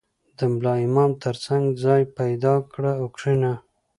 • د ملا امام تر څنګ ځای پیدا کړه او کښېنه.